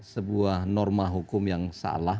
sebuah norma hukum yang salah